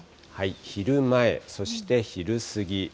昼前、そして昼過ぎ。